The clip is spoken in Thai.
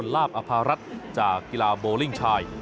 ลาบอภารัฐจากกีฬาโบลิ่งชาย